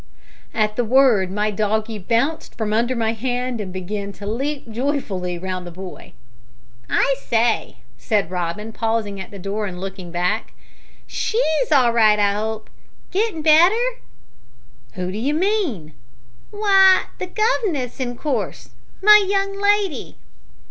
At the word my doggie bounced from under my hand and began to leap joyfully round the boy. "I say," said Robin, pausing at the door and looking back, "she's all right I 'ope. Gittin' better?" "Who do you mean?" "W'y, the guv'ness, in course my young lady."